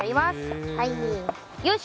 よし。